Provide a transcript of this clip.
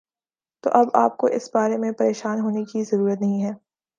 تو اب آ پ کو اس بارے میں پریشان ہونے کی ضرورت نہیں ہے